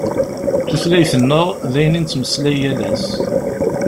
Tutlayt-nneɣ d ayen i nettmeslay yal ass.